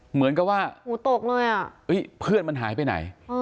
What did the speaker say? เหมือนก็ว่าหูตกเลยอะไอ้เพื่อนมันหายไปไหนเออ